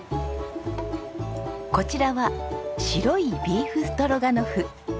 こちらは白いビーフストロガノフ。